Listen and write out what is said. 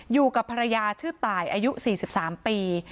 อยู่กับภรรยาชื่อตายอายุ๔๓ปี